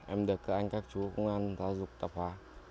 em được các anh các chú công an giáo dục tập hóa